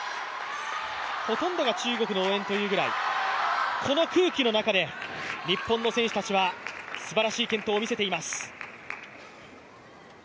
ほとんどが中国の応援というぐらい、この空気の中で日本の選手たちはすばらしい健闘を見せています。